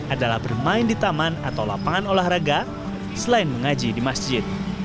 adalah bermain di taman atau lapangan olahraga selain mengaji di masjid